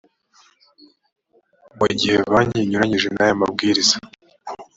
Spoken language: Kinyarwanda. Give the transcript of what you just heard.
mu gihe banki inyuranyije n aya mabwiriza